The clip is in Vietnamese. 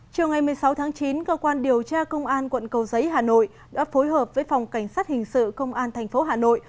chiều ngày một mươi sáu tháng chín cơ quan điều tra công an quận cầu giấy hà nội đã phối hợp với phòng cảnh sát hình sự công an tp hà nội